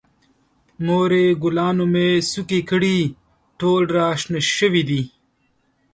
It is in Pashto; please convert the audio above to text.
مورې، ګلانو مې څوکې کړي، ټول را شنه شوي دي.